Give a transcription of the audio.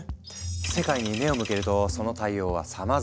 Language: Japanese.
世界に目を向けるとその対応はさまざま。